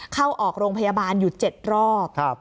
เข้าออกโรงพยาบาลอยู่๗รอบ